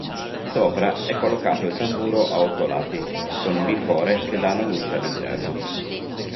Sopra è collocato il tamburo a otto lati con bifore che danno luce all'interno.